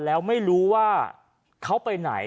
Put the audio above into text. แล้วไม่รู้ว่าเขาไปไหน